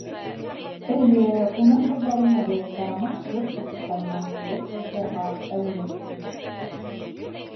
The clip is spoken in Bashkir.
Эйе, уның ҡыҙҙары нәҙек, тарамыш ҡыҙ остоҡтарынан һылыу ҡыҙҙарға әүерелеп килә.